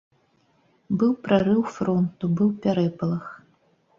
Быў прарыў фронту, быў пярэпалах.